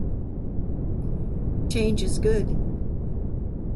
Change is good.